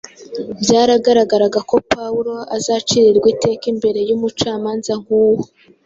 byagaragaraga ko Pawulo azacirirwa iteka imbere y’umucamanza nk’uwo